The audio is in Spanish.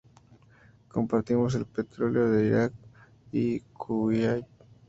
Compartimos el petróleo de Iraq y Kuwait.